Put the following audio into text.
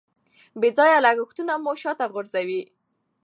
بې ځایه لګښتونه مو شاته غورځوي.